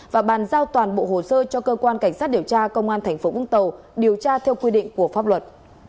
và bàn giao toàn bộ hồ sơ cho cơ quan cảnh sát điều tra công an tp vũng tàu điều tra theo quy định của pháp luật